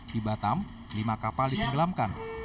di batam lima kapal ditenggelamkan